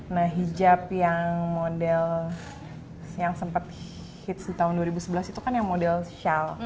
nah hijab yang model yang sempat hits di tahun dua ribu sebelas itu kan yang model shell